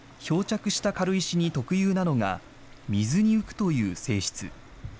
漂着した軽石に特有なのが、水に浮くという性質。